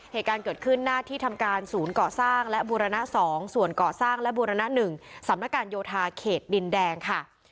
เหตุการณ์เกิดขึ้นหน้าที่ทำการศูนย์ก่อสร้างและบูรณะ๒ส่วนก่อสร้างและบูรณะ๑สำนักการโยธาเขตดินแดงค่ะ